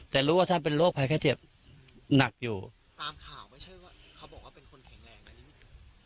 แต่รู้ว่าท่านเป็นโรคภัยไข้เจ็บหนักอยู่ตามข่าวไม่ใช่ว่าเขาบอกว่าเป็นคนแข็งแรงอันนี้ลูก